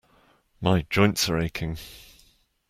My joints are aching.